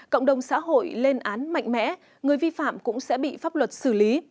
cộng đồng xã hội lên án mạnh mẽ người vi phạm cũng sẽ bị pháp luật xử lý